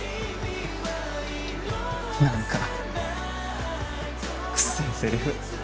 何かくせえセリフ。